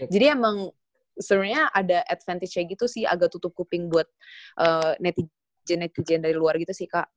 jadi emang sebenernya ada advantage nya gitu sih agak tutup kuping buat netizen netizen dari luar gitu sih kak